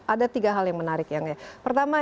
ada tiga hal yang menarik yang ya pertama